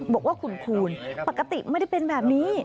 บอกว่าคุณคูณปกติไม่ได้เป็นแบบนี้